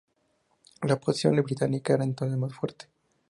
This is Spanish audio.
La posición británica era entonces más fuerte.